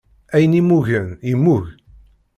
Ayen immugen, yemmug.